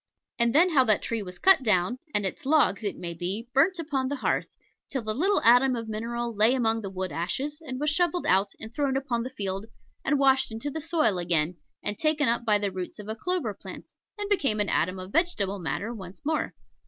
And then how that tree was cut down, and its logs, it may be, burnt upon the hearth, till the little atom of mineral lay among the wood ashes, and was shovelled out and thrown upon the field and washed into the soil again, and taken up by the roots of a clover plant, and became an atom of vegetable matter once more.